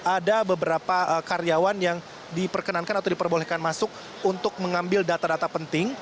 ada beberapa karyawan yang diperkenankan atau diperbolehkan masuk untuk mengambil data data penting